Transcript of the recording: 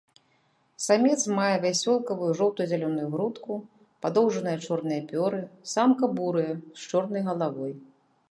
Самец мае вясёлкавую жоўта-зялёную грудку, падоўжаныя чорныя пёры, самка бурая, з чорнай галавой.